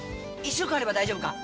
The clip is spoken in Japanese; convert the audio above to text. １週間あれば大丈夫か？